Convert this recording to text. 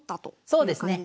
そうですねはい。